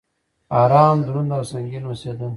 ارام، دروند او سنګين اوسيدل